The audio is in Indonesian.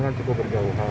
yang cukup janggal